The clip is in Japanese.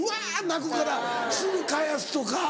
泣くからすぐ返すとか。